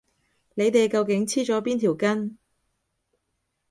你哋究竟黐咗邊條筋？